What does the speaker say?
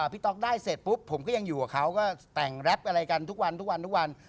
พี่ต๊อกได้ไว้เต็มแรปอะไรกันทุกวัน